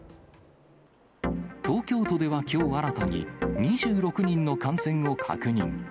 東京都ではきょう新たに、２６人の感染を確認。